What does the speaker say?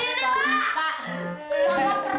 ada dokternya itu